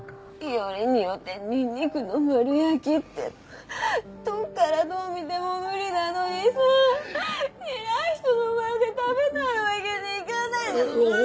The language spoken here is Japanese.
よりによってニンニクの丸焼きってどっからどう見ても無理なのにさ偉い人の前で食べないわけにいかないううっ！